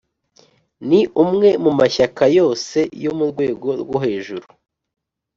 ni umwe mu mashyaka yose yo mu rwego rwo hejuru.